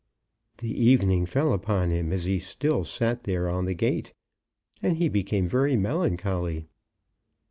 The evening light fell upon him as he still sat there on the gate, and he became very melancholy.